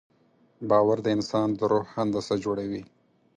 باور د انسان د روح هندسه جوړوي.